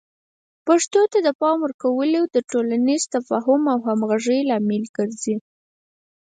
پښتو ته د پام ورکول د ټولنیز تفاهم او همغږۍ لامل ګرځي.